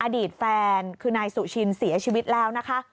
อดีตแฟนคือนายสุชินเสียชีวิตแล้วนะคะ